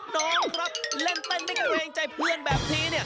น้องครับเล่นเต้นไม่เกรงใจเพื่อนแบบนี้